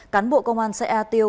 cán bộ công an xã e tiêu